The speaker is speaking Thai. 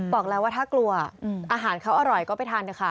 บอกแล้วว่าถ้ากลัวอาหารเขาอร่อยก็ไปทานเถอะค่ะ